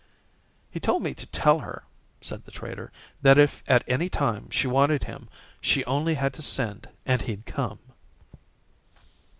"He told me to tell her," said the trader, "that if at any time she wanted him she only had to send and he'd come."